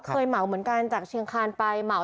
เหมาเหมือนกันจากเชียงคานไปเหมา